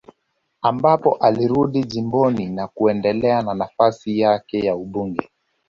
Ambapo alirudi jimboni na kuendelea na nafasi yak ya ubunge